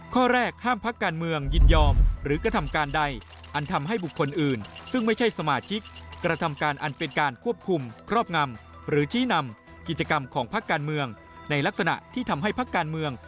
ข้อแรกห้ามภาคการเมืองยินยอมหรือกระทำการใดอันทำให้บุคคลอื่น